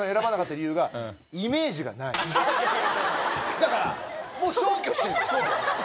だからもう消去してる。